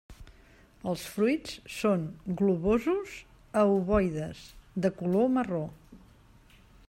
Els fruits són globosos a ovoides, de color marró.